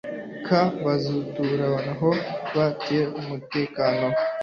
k Bazabuturaho ba te umutekano